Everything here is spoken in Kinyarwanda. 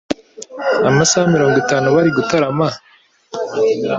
amasaha mirongo itanu bari gutarama?